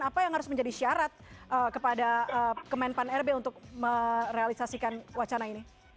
apa yang harus menjadi syarat kepada kemenpan rb untuk merealisasikan wacana ini